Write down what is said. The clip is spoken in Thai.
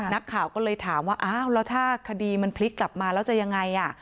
นักข่าวก็เลยถามว่าอ้าวแล้วถ้าคดีมันพลิกกลับมาแล้วจะยังไง